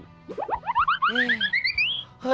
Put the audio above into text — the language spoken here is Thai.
จ้อย